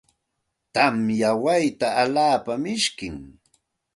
Tamya wayta alaapa mishkim.